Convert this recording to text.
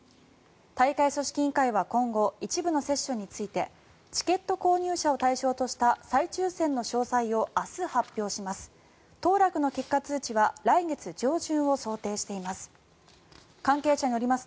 大会組織委員会は今後一部のセッションについてチケット購入者を対象とした再抽選の詳細を明日、発表します。